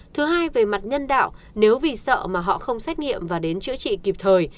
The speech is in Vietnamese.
thứ hai về mặt nhân đạo nếu vì sợ mà họ không xét nghiệm và đến chữa trị kịp thời